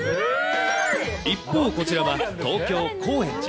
一方、こちらは東京・高円寺。